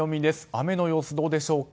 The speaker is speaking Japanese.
雨の様子、どうでしょうか。